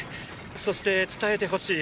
そして伝えてほしい。